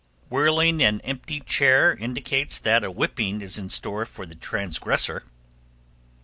Whirling an empty chair indicates that a whipping is in store for the transgressor.